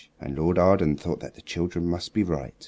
And Lord Arden thought that the children must be right.